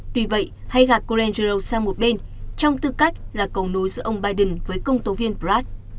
tuy vậy hay gạt crenders sang một bên trong tư cách là cầu nối giữa ông biden với công tố viên braz